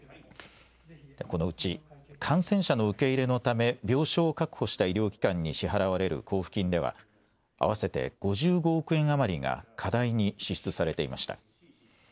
このうち、感染者の受け入れのため病床を確保した医療機関に支払われる交付金では、合わせて５５億円余りが過大に支出されていました。